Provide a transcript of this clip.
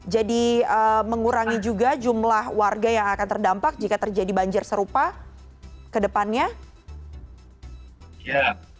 jadi mengurangi juga jumlah warga yang akan terdampak jika terjadi banjir serupa ke depannya